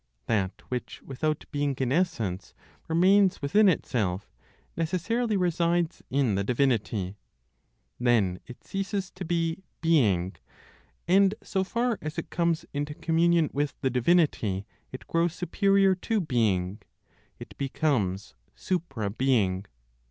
That which, without being in essence, remains within itself, necessarily resides in the divinity. Then it ceases to be "being," and so far as it comes into communion with the Divinity it grows superior to "being" (it becomes supra being).